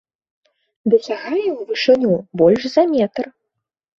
Дасягае ў вышыню больш за метр.